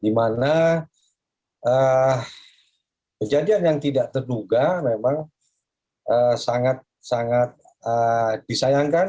dimana kejadian yang tidak terduga memang sangat disayangkan